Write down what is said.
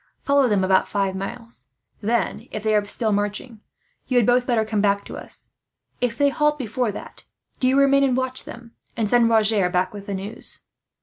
"Follow them about five miles; then, if they are still marching, you had both better come back to us. If they halt before that, do you remain and watch them; and send Roger back with the news."